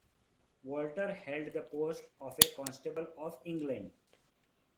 Walter held the post of a Constable of England.